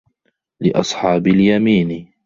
لِأَصحابِ اليَمينِ